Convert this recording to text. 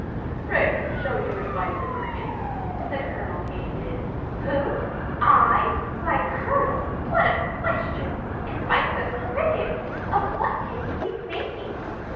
"Pray, shall you invite the Crickets?" said Colonel Katy did. "Who? I? Why, colonel, what a question! Invite the Crickets? Of what can you be thinking?"